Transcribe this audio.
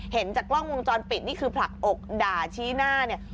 เห็นจากกล้องวงจรปิดนี่คือผลักอกด่าชี้หน้าเนี่ย